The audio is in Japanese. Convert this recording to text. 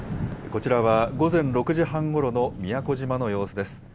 こちらは午前６時半ごろの宮古島の様子です。